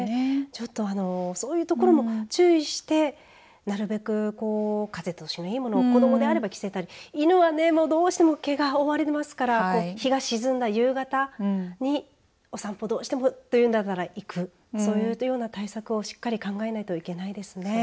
ちょっとそういうところも注意してなるべく風通しのいいものを子どもであれば着せたり犬はどうしても毛が覆われてれていますから日が沈んだ夕方にお散歩どうしてもというんなら行くそういう対策を考えないといけないですね。